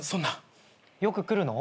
よく来るの？